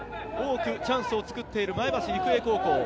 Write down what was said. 多くチャンスを作っている前橋育英高校。